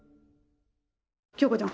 京子ちゃん